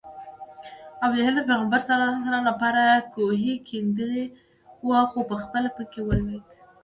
ابوجهل د پیغمبر ص لپاره کوهی کیندلی و خو پخپله پکې ولوېد